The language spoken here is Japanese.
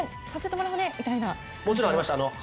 もちろんありました。